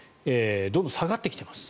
どんどん下がってきてます。